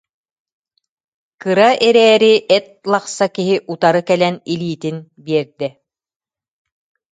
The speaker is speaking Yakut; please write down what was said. кыра эрээри эт лахса киһи утары кэлэн илиитин биэрдэ